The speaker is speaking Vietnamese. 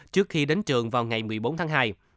trước khi đến trường vào ngày một mươi bốn tháng hai